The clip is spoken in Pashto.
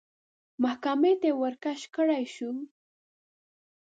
محاکمې ته ورکش کړای شو